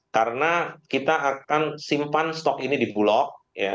karena kita akan simpan stok ini di bulog